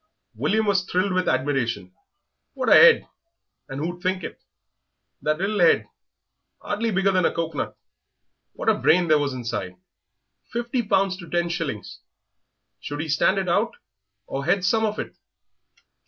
William thrilled with admiration. What a 'ead, and who'd think it? that little 'ead, hardly bigger than a cocoanut! What a brain there was inside! Fifty pounds to ten shillings; should he stand it out or hedge some of it?